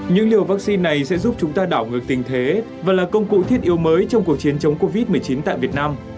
những liều vaccine này sẽ giúp chúng ta đảo ngược tình thế và là công cụ thiết yếu mới trong cuộc chiến chống covid một mươi chín tại việt nam